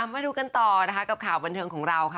มาดูกันต่อนะคะกับข่าวบันเทิงของเราค่ะ